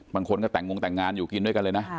บางคนก็แต่งงแต่งงานอยู่กินด้วยกันเลยนะ